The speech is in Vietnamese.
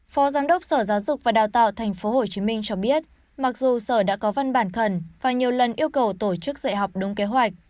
phó giám đốc sở giáo dục và đào tạo tp hcm cho biết mặc dù sở đã có văn bản khẩn và nhiều lần yêu cầu tổ chức dạy học đúng kế hoạch